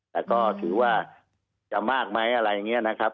แต่ก็ถือว่าจะมากไหมอะไรอย่างนี้นะครับ